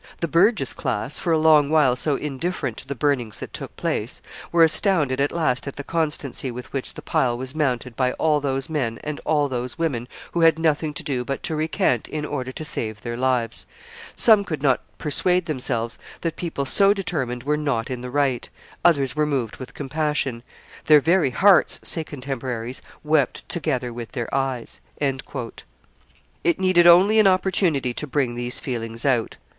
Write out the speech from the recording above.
"The burgess class, for a long while so indifferent to the burnings that took place, were astounded at last at the constancy with which the pile was mounted by all those men and all those women who had nothing to do but to recant in order to save their lives. Some could not persuade themselves that people so determined were not in the right; others were moved with compassion. 'Their very hearts,' say contemporaries, 'wept together with their eyes.'" It needed only an opportunity to bring these feelings out.